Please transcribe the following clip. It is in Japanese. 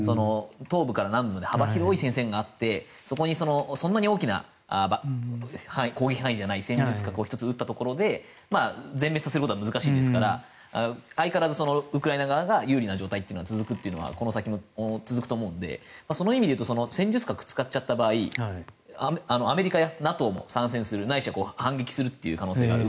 東部から南部まで幅広い戦線があってそこにそんなに大きな攻撃範囲じゃない戦術核を１つ撃ったところで全滅させることは難しいですから相変わらずウクライナ側が有利な状態というのは続くというのはこの先も続くと思うのでその意味でいうと戦術核を使っちゃった場合アメリカやＮＡＴＯも参戦するないしは反撃するという可能性がある。